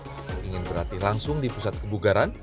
apakah anda ingin berlatih langsung di pusat kebugaran